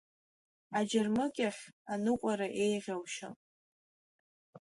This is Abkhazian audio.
Аџьырмыкьахь аныҟәара еиӷьалшьон.